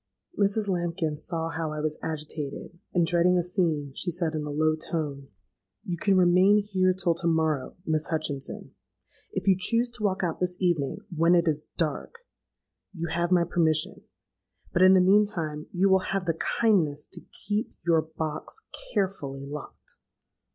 Mrs. Lambkin saw how I was agitated, and, dreading a scene, she said in a low tone, 'You can remain here till to morrow, Miss Hutchinson. If you choose to walk out this evening, when it is dark, you have my permission. But, in the meantime, you will have the kindness to keep your box carefully locked.'